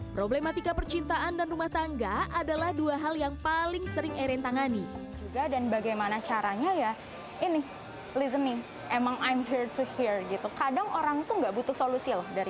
problematika percintaan dan rumah tangga adalah dua hal yang paling sering eirene tangani